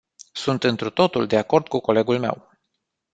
Sunt întru totul de acord cu colegul meu.